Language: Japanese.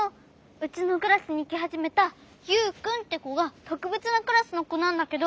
うちのクラスにきはじめたユウくんってこがとくべつなクラスのこなんだけど。